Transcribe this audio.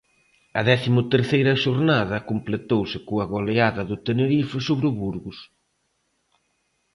A décimo terceira xornada completouse coa goleada do Tenerife sobre o Burgos.